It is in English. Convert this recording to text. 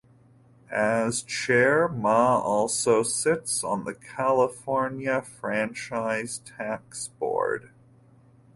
As chair, Ma also sits on the California Franchise Tax Board.